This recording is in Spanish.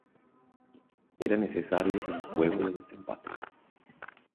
Era necesario un juego de desempate.